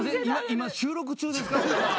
今収録中ですか？